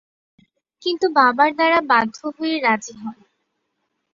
কিন্তু বাবার দ্বারা বাধ্য হয়ে রাজি হন।